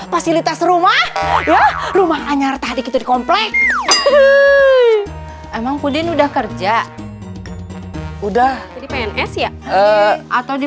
fasilitas rumah rumah anjar tadi itu dikompleks hehehe emang pudin udah kerja udah atau di